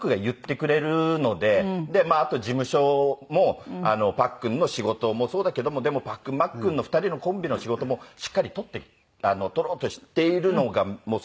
であと事務所もパックンの仕事もそうだけどもでもパックンマックンの２人のコンビの仕事もしっかり取ろうとしているのがすごい伝わっているので。